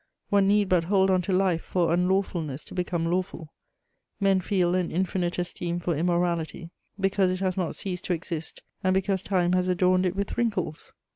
One need but hold on to life for unlawfulness to become lawful. Men feel an infinite esteem for immorality because it has not ceased to exist and because time has adorned it with wrinkles.